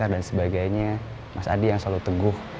dan sebagainya mas adi yang selalu teguh